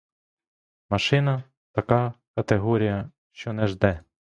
Машина — така категорія, що не жде.